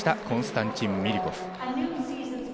コンスタンチン・ミリュコフ。